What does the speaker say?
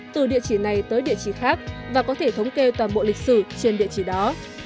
từ địa chỉ này tới địa chỉ khác và có thể thống kê toàn bộ lịch sử trên địa chỉ đó